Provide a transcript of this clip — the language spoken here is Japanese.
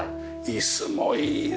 椅子もいいですね。